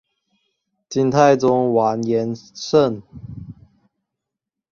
金太宗完颜晟。